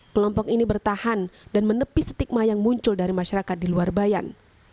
kelompok ini bertahan dan menepi stigma yang muncul dari masyarakat di luar bayan